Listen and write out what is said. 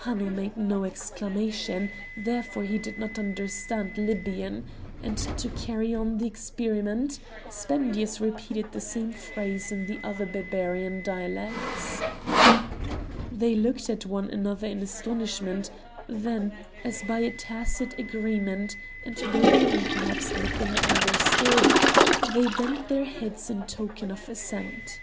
Hanno made no exclamation, therefore he did not understand Libyan; and, to carry on the experiment, Spendius repeated the same phrase in the other Barbarian dialects. They looked at one another in astonishment; then, as by a tacit agreement, and believing perhaps that they had understood, they bent their heads in token of assent.